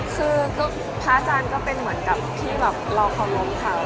คือพระอาจารย์ก็เป็นเหมือนกับที่แบบเราเคารพเขา